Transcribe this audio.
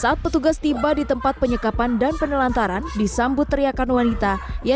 saat petugas tiba di tempat penyekapan dan penelantaran disambut teriakan wanita yang